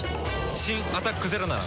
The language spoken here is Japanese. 新「アタックＺＥＲＯ」なら。